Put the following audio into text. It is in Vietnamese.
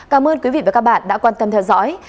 cảm ơn quý vị và các bạn đã quan tâm theo dõi